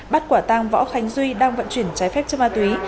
bắt quả tang võ khánh duy đang vận chuyển trái phép chất ma túy